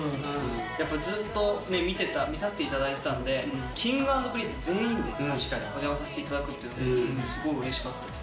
やっぱりずっと見てた、見させていただいていたんで、Ｋｉｎｇ＆Ｐｒｉｎｃｅ全員でお邪魔させていただくっていうのは、すごいうれしかったです。